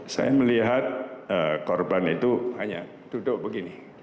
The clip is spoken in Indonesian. saya melihat korban itu hanya duduk begini